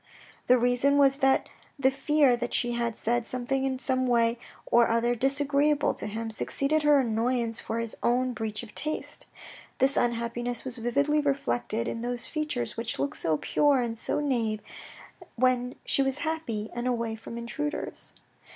The reason was that the fear that she had said something in some way or other disagreeable to him, succeeded her annoyance for his own breach of taste. This unhappiness was vividly reflected in those features which looked so pure and so nave when she was happy and away from intruders.